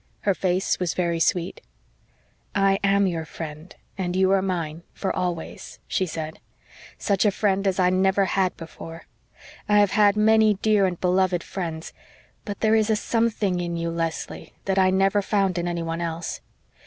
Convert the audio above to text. Her face was very sweet. "I am your friend and you are mine, for always," she said. "Such a friend as I never had before. I have had many dear and beloved friends but there is a something in you, Leslie, that I never found in anyone else.